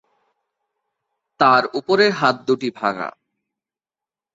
তার উপরের হাত দুটি ভাঙা।